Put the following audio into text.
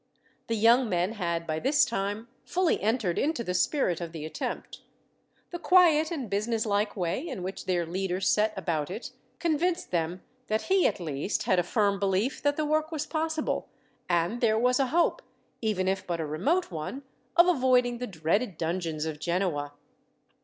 The young men had, by this time, fully entered into the spirit of the attempt. The quiet and businesslike way, in which their leader set about it, convinced them that he at least had a firm belief that the work was possible; and there was a hope, even if but a remote one, of avoiding the dreaded dungeons of Genoa.